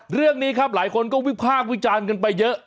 เรื่องนี้ครับหลายคนก็วิพากษ์วิจารณ์กันไปเยอะ